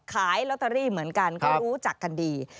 ขายลอตเตอรี่เหมือนกันก็รู้จักกันดี